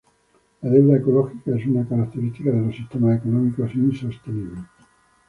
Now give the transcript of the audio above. La deuda ecológica es una característica de los sistemas económicos insostenibles.